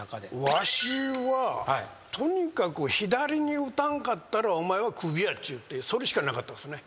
わしはとにかく左に打たんかったらお前は首やっちゅうてそれしかなかったですね。